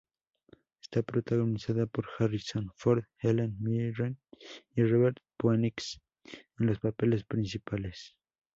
Está protagonizada por Harrison Ford, Helen Mirren y River Phoenix en los papeles principales.